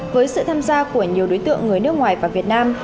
với sự tham gia của nhiều đối tượng người nước ngoài và việt nam